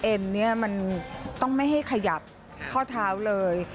เนี่ยมันต้องไม่ให้ขยับข้อเท้าเลย